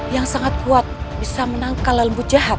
yang sangat kuat bisa menangkal lembut jahat